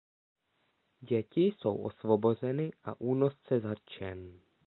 Děti jsou osvobozeny a únosce zatčen.